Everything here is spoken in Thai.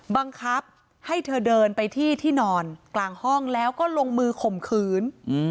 บังคับให้เธอเดินไปที่ที่นอนกลางห้องแล้วก็ลงมือข่มขืน